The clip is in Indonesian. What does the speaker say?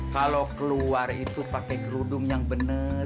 kalau keluar itu pakai gerudung yang benar